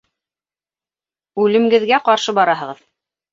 Үлемгеҙгә ҡаршы бараһығыҙ.